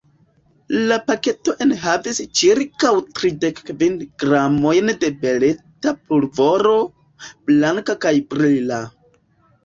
La paketo enhavis ĉirkaŭ tridek kvin gramojn da beleta pulvoro, blanka kaj brila.